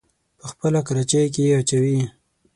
په خپله کراچۍ کې يې اچوي.